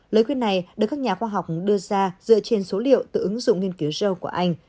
lời khuyên này được các nhà khoa học đưa ra dựa trên số liệu từ ứng dụng nghiên cứu joe của anh